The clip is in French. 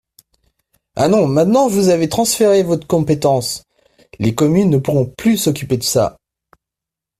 Ah non, maintenant vous avez transféré vote compétence, les communes ne pourront plus s’occuper de ça.